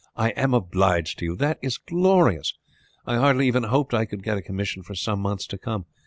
"I am obliged to you. That is glorious. I hardly even hoped I could get a commission for some months to come.